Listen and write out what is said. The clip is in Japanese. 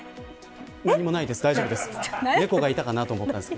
何もないです、大丈夫です。